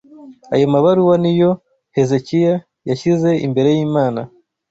Ayo mabaruwa ni yo Hezekiya yashyize imbere y’Imana